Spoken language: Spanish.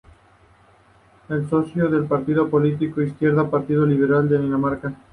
Es socio del partido político Izquierda-Partido Liberal de Dinamarca.